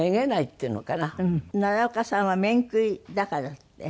「奈良岡さんは面食いだからって」